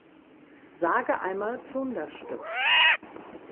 Sage einmal Plunderstück.